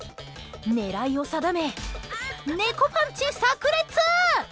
狙いを定め猫パンチ炸裂！